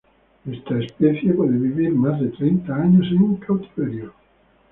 Esta especie puede vivir más de treinta años en cautiverio.